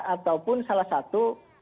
ataupun salah satu